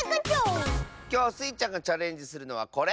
きょうスイちゃんがチャレンジするのはこれ！